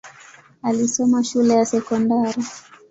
Alisoma shule ya sekondari.